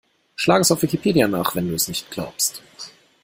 Schlage es auf Wikipedia nach, wenn du es nicht glaubst!